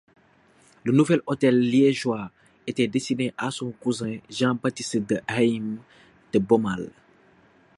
Le nouvel hôtel liégeois était destiné à son cousin Jean-Baptiste de Hayme de Bomal.